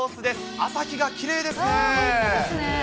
朝日がきれいですね。